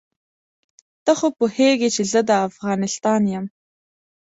ته خو پوهېږې زه د افغانستان یم.